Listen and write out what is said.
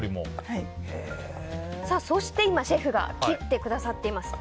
そして今シェフが切ってくださっています